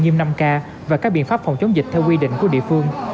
nghiêm năm k và các biện pháp phòng chống dịch theo quy định của địa phương